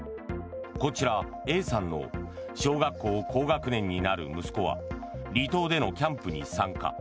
こちら、Ａさんの小学校高学年になる息子は離島でのキャンプに参加。